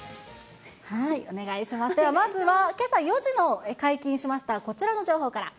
ではまずは、けさ４時の解禁しました、こちらの情報から。